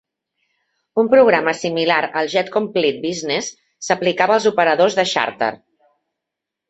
Un programa similar al "Jet Complete Business" s'aplicava als operadors de xàrter.